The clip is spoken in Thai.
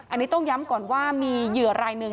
อันนี้ต้องย้ำก่อนว่ามีเหยื่อรายหนึ่ง